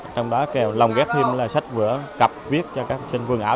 trong đó kêu lòng ghép thêm sách vừa cặp viết cho các sinh vườn áo